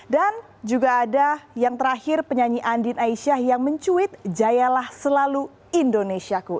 dan juga ada yang terakhir penyanyi andin aisyah yang mencuit jayalah selalu indonesiaku